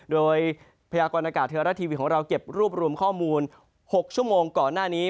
โดยพยากรณากาศเทราทีวีของเราเก็บรวบรวมข้อมูล๖ชั่วโมงก่อนหน้านี้